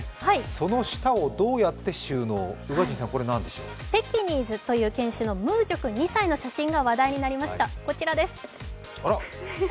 「その舌をどうやって収納」、ペギニーズという犬のムーチョくん２歳の写真が話題になりました。